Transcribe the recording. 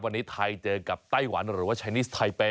วันนี้ไทยเจอกับไต้หวันหรือว่าชายนิสไทเป